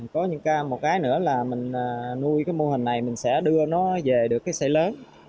có những cam một cái nữa là mình nuôi cái mô hình này mình sẽ đưa nó về được cái xe lớn